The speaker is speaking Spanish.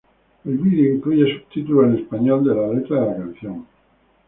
El video incluye subtítulos en español de la letra de la canción.